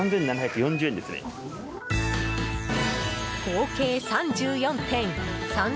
合計３４点。